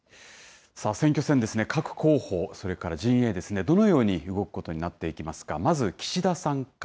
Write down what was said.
選挙戦ですね、各候補、それから陣営ですね、どのように動くことになっていきますか。